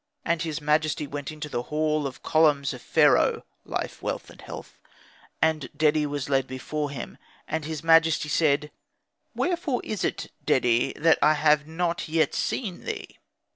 And his majesty went into the hall of columns of Pharaoh (life, wealth, and health), and Dedi was led before him. And his majesty said, "Wherefore is it, Dedi, that I have not yet seen thee?"